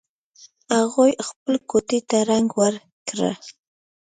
هغوی خپلې کوټې ته رنګ ور کړ